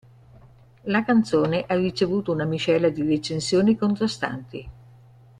La canzone ha ricevuto una miscela di recensioni contrastanti.